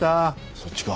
そっちか。